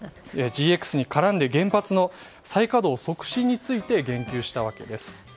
ＧＸに絡んで原発の再稼働促進について言及したわけです。